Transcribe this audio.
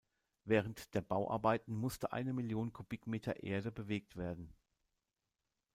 Während der Bauarbeiten musste eine Million Kubikmeter Erde bewegt werden.